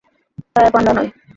তাই, আর পান্ডা নয়।